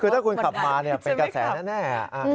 คือถ้าคุณขับมาเป็นกระแสแน่